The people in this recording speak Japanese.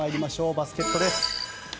バスケットです。